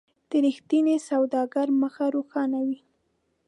د رښتیني سوداګر مخ روښانه وي.